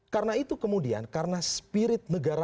karena itu kemudian karena spirit negara